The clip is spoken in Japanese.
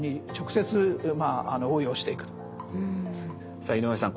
さあ井上さん